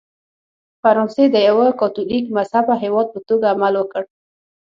فرانسې د یوه کاتولیک مذهبه هېواد په توګه عمل وکړ.